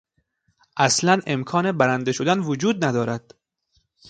اصلا امکان برنده شدن وجود ندارد.